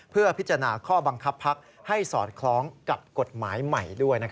เพื่อพิจารณาข้อบังคับพักให้สอดคล้องกับกฎหมายใหม่ด้วย